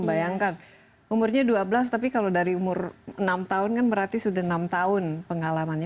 bayangkan umurnya dua belas tapi kalau dari umur enam tahun kan berarti sudah enam tahun pengalamannya